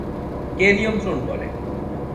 কে নিয়ন্ত্রণ করে?